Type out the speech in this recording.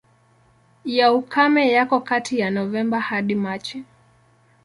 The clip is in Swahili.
Ya ukame yako kati ya Novemba hadi Machi.